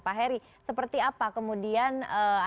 pak heri seperti apa kemudian adanya pelajaran